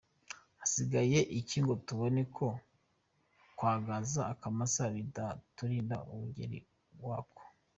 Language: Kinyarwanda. – Hasigaye iki ngo tubone ko kwagaza akamasa bitaturinda umugeli wako?